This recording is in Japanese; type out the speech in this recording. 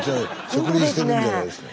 「植林してるんじゃないですか」。